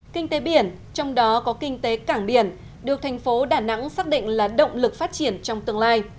kinh tế biển trong đó có kinh tế cảng biển được thành phố đà nẵng xác định là động lực phát triển trong tương lai